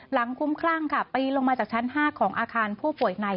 คุ้มคลั่งค่ะปีนลงมาจากชั้น๕ของอาคารผู้ป่วยใน